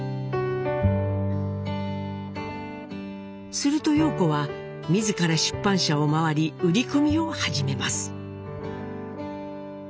すると陽子は自ら出版社を回り売り込みを始めます。